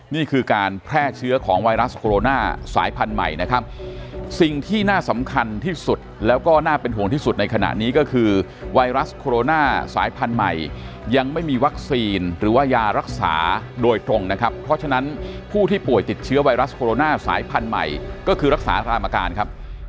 นี่คือการแพร่เชื้อของไวรัสโคโรนาสายพันธุ์ใหม่นะครับสิ่งที่น่าสำคัญที่สุดแล้วก็น่าเป็นห่วงที่สุดในขณะนี้ก็คือไวรัสโคโรนาสายพันธุ์ใหม่ยังไม่มีวัคซีนหรือว่ายารักษาโดยตรงนะครับเพราะฉะนั้นผู้ที่ป่วยติดเชื้อไวรัสโคโรนาสายพันธุ์ใหม่ก็คือรักษารามการครับ